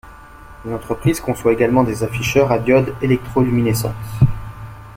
L'entreprise conçoit également des afficheurs à diodes électroluminescentes.